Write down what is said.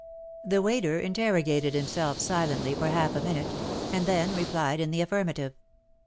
The waiter interrogated himself silently for half a minute^ and then replied in the affirmative.